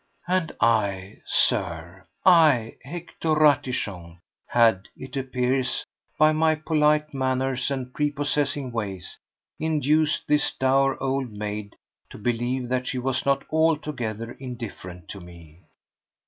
And I, Sir—I, Hector Ratichon—had, it appears, by my polite manners and prepossessing ways, induced this dour old maid to believe that she was not altogether indifferent to me.